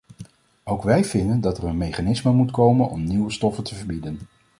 Ook wij vinden dat er een mechanisme moet komen om nieuwe stoffen te verbieden.